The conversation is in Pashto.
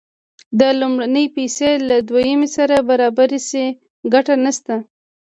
که لومړنۍ پیسې له دویمې سره برابرې شي ګټه نشته